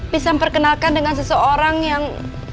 bisa memperkenalkan dengan seseorang yang